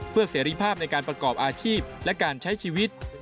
เพื่อเสรีภาพในการประกอบอาชีพและการใช้ชีวิต